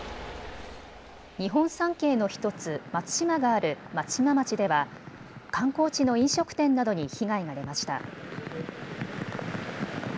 日本三景の１つ、松島がある松島町では観光地の飲食店などに被害が出ました。